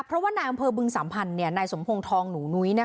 เพราะว่านายอำเภอบึงสัมพันธ์นายสมพงศ์ทองหนูนุ้ย